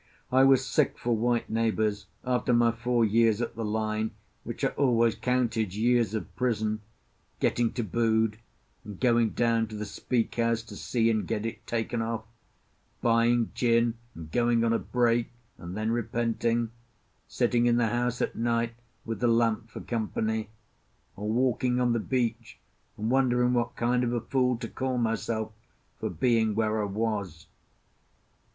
I was sick for white neighbours after my four years at the line, which I always counted years of prison; getting tabooed, and going down to the Speak House to see and get it taken off; buying gin and going on a break, and then repenting; sitting in the house at night with the lamp for company; or walking on the beach and wondering what kind of a fool to call myself for being where I was.